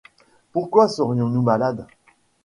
Pourquoi serions-nous malades